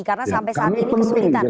karena sampai saat ini kesulitan